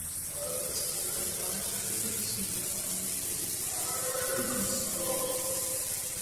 However, as time went by she came to see the need for reconciliation.